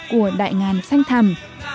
của đại ngàn xanh thầm